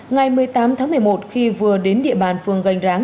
ngày một mươi tám tháng một mươi một khi vừa đến địa bàn phường gành ráng